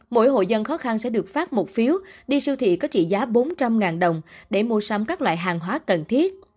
mỗi hộ dân khó khăn sẽ được phát một phiếu đi siêu thị có trị giá bốn trăm linh đồng để mua sắm các loại hàng hóa cần thiết